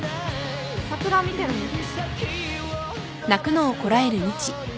桜見てるんです。